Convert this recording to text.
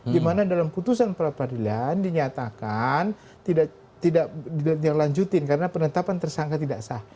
dimana dalam putusan pra peradilan dinyatakan tidak dilanjutin karena penetapan tersangka tidak sah